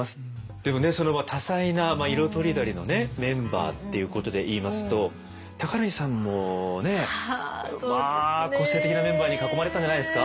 でもねその多彩な色とりどりのねメンバーっていうことでいいますと高柳さんもねまあ個性的なメンバーに囲まれてたんじゃないですか。